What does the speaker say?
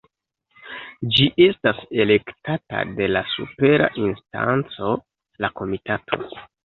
Ĝi estas elektata de la supera instanco, la Komitato.